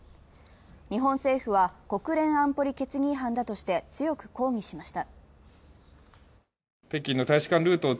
日本政府は国連安保理決議違反だとして強く抗議しました。